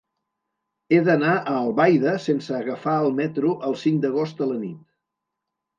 He d'anar a Albaida sense agafar el metro el cinc d'agost a la nit.